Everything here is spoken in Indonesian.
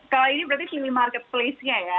kalau ini berarti cleaning marketplace nya ya